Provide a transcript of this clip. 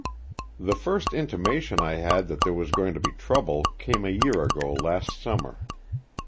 "The first intimation I had that there was going to be trouble came a year ago last summer.